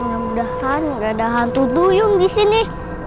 ya udah kan gak ada hantu duyung disini